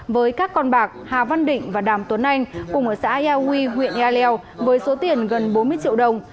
với các con bạc hà văn định và đàm tuấn anh cùng ở xã ea huy huyện ea leo với số tiền gần bốn mươi triệu đồng